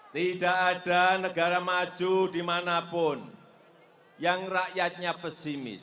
tidak ada negara maju dimanapun yang rakyatnya pesimis